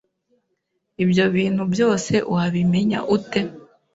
Ibyo bintu byose wabimenya ute?